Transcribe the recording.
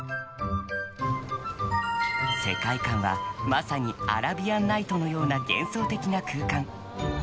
世界観はまさにアラビアンナイトのような幻想的な空間。